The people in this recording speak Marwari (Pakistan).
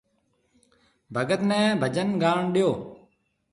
ڀگت نَي ڀجن گاڻ ڏيو۔